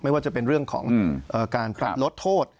ว่าจะเป็นเรื่องของการปรับลดโทษ